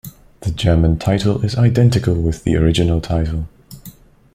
The German title is identical with the original title.